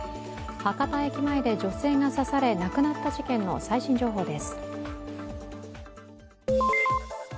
博多駅前で女性が刺され亡くなった事件の最新情報です。